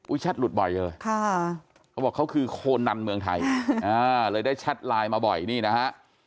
แชทหลุดบ่อยเลยเขาบอกเขาคือโคนันเมืองไทยเลยได้แชทไลน์มาบ่อยนี่นะฮะ